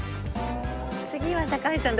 次は高橋さん